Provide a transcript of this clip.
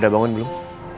udah bangun belum